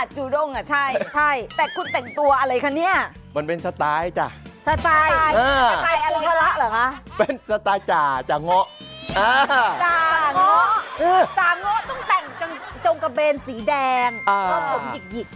จงกระเบนสีแดงโอ้มหิก